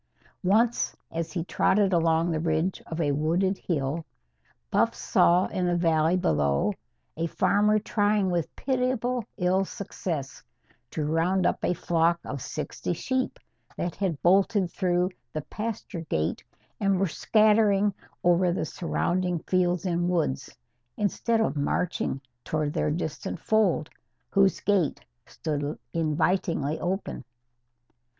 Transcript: Once, as he trotted along the ridge of a wooded hill, Buff saw in the valley below a farmer trying with pitiable ill success to round up a flock of sixty sheep that had bolted through the pasture gate and were scattering over the surrounding fields and woods; instead of marching toward their distant fold, whose gate stood invitingly open.